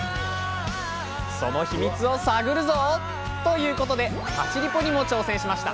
そのヒミツを探るぞ！ということで「立ちリポ」にも挑戦しました！